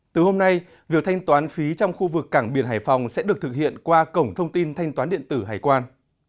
từ hôm nay việc thanh toán phí trong khu vực cảng biển hải phòng sẽ được thực hiện qua cổng thông tin thanh toán điện tử hải quan